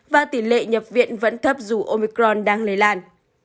và tỷ lệ nhập viện vẫn thấp dù omicron đang lây lan